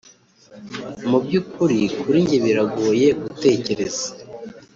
mubyukuri, kuri njye biragoye gutekereza,